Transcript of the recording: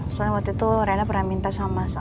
soalnya waktu itu rena pernah minta sama mas